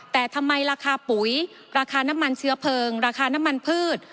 แต่ทำไมราคาปุ๋ยราคาน้ำมันเชื้อเพลิงราคาน้ำมันพืช